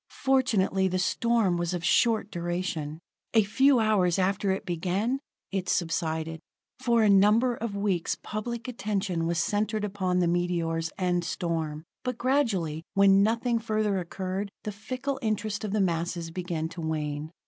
Fortunately the storm was of short duration; a few hours after it began, it subsided. For a number of weeks public attention was centered upon the meteors and storm; but gradually, when nothing further occurred, the fickle interest of the masses began to wane.